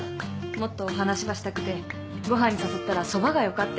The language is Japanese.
もっとお話ばしたくてご飯に誘ったらそばがよかって。